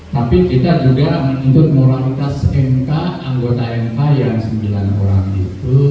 tapi kita juga menuntut moralitas mk anggota mk yang sembilan orang itu